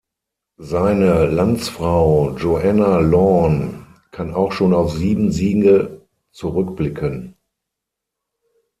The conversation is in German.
Seine Landsfrau Joanna Lawn kann auch schon auf sieben Siege zurückblicken.